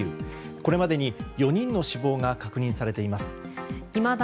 これまでに４人の死亡が確認されています。